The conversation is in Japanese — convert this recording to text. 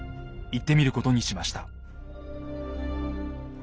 行ってみることにしました。